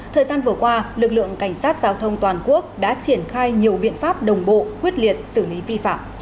thời gian vừa qua lực lượng cảnh sát giao thông toàn quốc đã triển khai nhiều biện pháp đồng bộ quyết liệt xử lý vi phạm